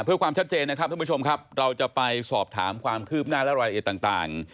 เพื่อความชัดเจนนะครับท่านผู้ชมครับเราจะไปสอบถามความคืบหน้าและรายละเอียดต่าง